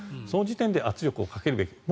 その時点で圧力をかけるべき。